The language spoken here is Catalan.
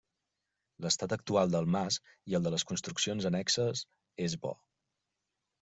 L’estat actual del mas, i el de les construccions annexes, és bo.